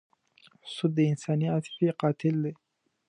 سود د انساني عاطفې قاتل دی.